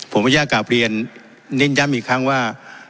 ผมจะกลับเรียนเน่นย้ำอีกครั้งว่า